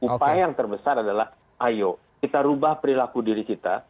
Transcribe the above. upaya yang terbesar adalah ayo kita rubah perilaku diri kita